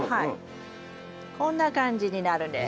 こんな感じになるんです。